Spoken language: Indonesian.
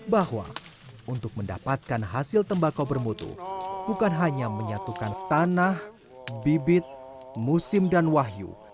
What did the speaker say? bahwa untuk mendapatkan hasil tembakau bermutu bukan hanya menyatukan tanah bibit musim dan wahyu